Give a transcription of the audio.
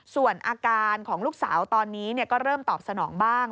ส่วนอาการของลูกสาวตอนนี้ก็เริ่มตอบสนองบ้าง